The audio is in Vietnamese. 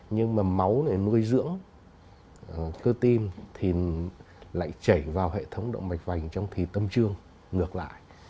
nhưng mà máu để nuôi dưỡng cơ tim thì lại chảy vào hệ thống động mạch vành trong kỳ tâm trương ngược lại